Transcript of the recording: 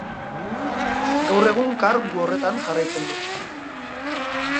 Gaur egun kargu horretan jarraitzen du.